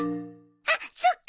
あっそっか！